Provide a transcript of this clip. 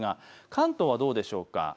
関東はどうでしょうか。